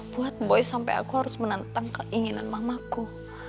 buat boy sampai aku harus menantang keinginan mamaku